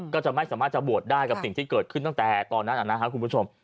ก็จะไม่สามารถจะบวชได้กับสิ่งที่เกิดขึ้นตั้งแต่ตอนนั้นนะครับคุณผู้ชม